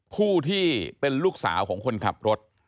ผู้ที่เป็นลูกสาวของคนขับรถ